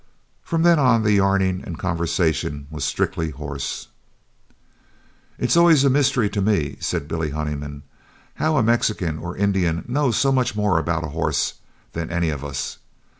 From then on, the yarning and conversation was strictly horse. "It was always a mystery to me," said Billy Honeyman, "how a Mexican or Indian knows so much more about a horse than any of us.